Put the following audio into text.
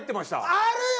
あるよ！